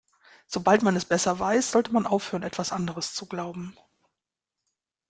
Sobald man es besser weiß, sollte man aufhören, etwas anderes zu glauben.